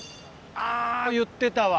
あぁ言ってたわ。